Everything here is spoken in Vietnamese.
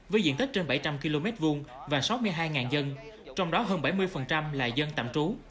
với diện tích trên bảy trăm linh km hai và sáu mươi hai dân trong đó hơn bảy mươi là dân tạm trú